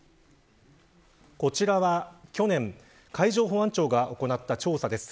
こちらは去年海上保安庁が行った調査です。